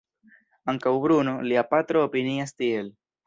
Ankaŭ Bruno, lia patro, opinias tiel.